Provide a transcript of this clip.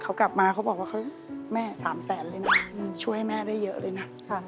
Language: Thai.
เขากลับมาเขาบอกว่าแม่๓แสนเลยนะช่วยให้แม่ได้เยอะเลยนะ